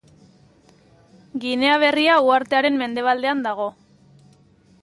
Ginea Berria uhartearen mendebaldean dago.